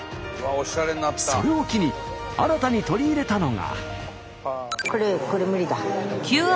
それを機に新たに取り入れたのが。